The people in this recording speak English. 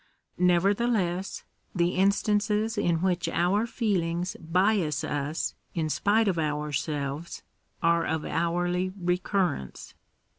Nevertheless, the instances in which our feelings bias us in spite of ourselves are of hourly recurrence.